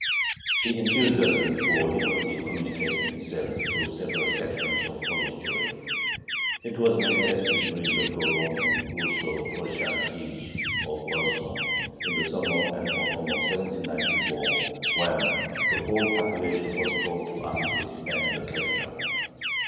The enthusiasm for liberty communicated itself to several sections of Polish Jewry. It was manifested during the prolonged Russo Prussian siege of Warsaw in the summer and autumn of 1794, when the whole population was called to arms to defend the capital.